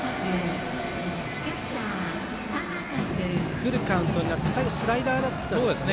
フルカウントになって最後、スライダーだったですかね。